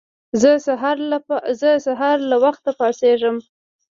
زه سهار له وخته پاڅيږم.